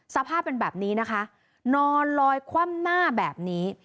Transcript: สภาพเป็นแบบนี้นะคะนอนลอยคว่ำหน้าแบบนี้